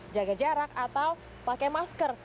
jaga jarak atau pakai masker